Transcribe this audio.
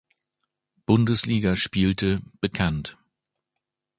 Bundesliga spielte, bekannt.